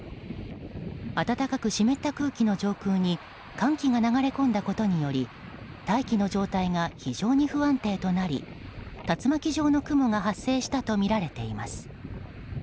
暖かく湿った空気の上空に寒気が流れ込んだことにより大気の状態が非常に不安定となり竜巻状の雲が発生したとみられています。